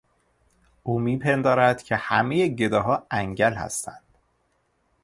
او میپندارد که همهی گداها انگل هستند.